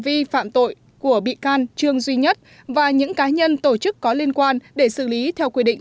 vi phạm tội của bị can trương duy nhất và những cá nhân tổ chức có liên quan để xử lý theo quy định